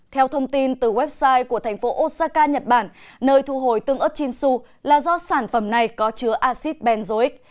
theo thông tin từ website của thành phố osaka nhật bản nơi thu hồi tương ớt chinsu là do sản phẩm này có chứa acid benzoic